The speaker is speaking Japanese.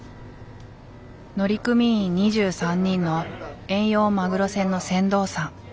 乗組員２３人の遠洋マグロ船の船頭さん。